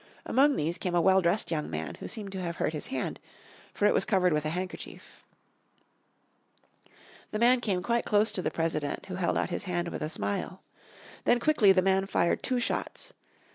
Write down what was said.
Among these came a well dressed young man who seemed to have hurt his hand, for it was covered with a handkerchief. The man came quite close to the President who held out his hand with a smile. Then quickly the man fired two shots.